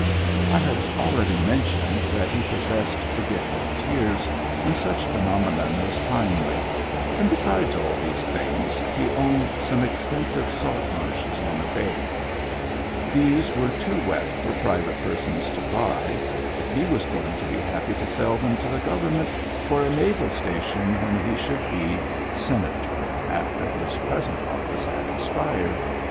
I have already mentioned that he pos sessed the gift of tears, when such phenomenon was timely, and besides all these things, he owned some extensive salt marshes on a bay. These were too wet for private persons to buy, but he was going to be happy to sell them to the govern ment for a naval station when he should be Sena Digitized by Google 92 MEMBERS OF THE FAMILY tor, after his present office had expired.